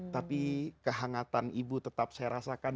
tapi kehangatan ibu tetap saya rasakan